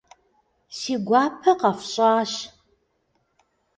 Си гуапэ къэфщӀащ.